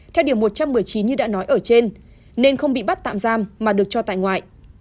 theo điều một trăm một mươi chín như đã nói ở trên nên không bị bắt tạm giam mà được cho tại ngoại